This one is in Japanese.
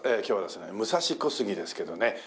今日はですね武蔵小杉ですけどね。